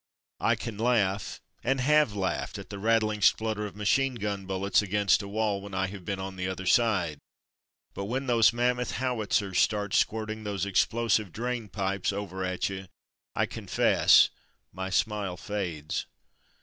I can laugh, and have laughed at the rattling splutter of machine gun bullets against a wall when I have been on the other side, but when those mammoth howitzers start squirting those explosive drain pipes over at you, I confess my smile fades.